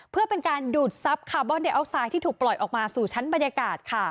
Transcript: เพื่อเป็นการดูดทรัพย์คาร์บอนเดอัลไซด์ที่ถูกปล่อยออกมาสู่ชั้นบรรยากาศ